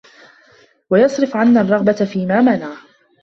وَيَصْرِفَ عَنَّا الرَّغْبَةَ فِيمَا مَنَعَ